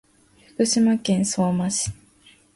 福島県相馬市